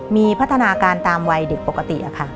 มีพัฒนาการตามวัยเด็กปกติค่ะ